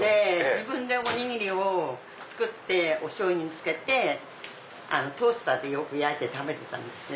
自分でおにぎりを作っておしょうゆにつけてトースターでよく焼いて食べてたんですよ。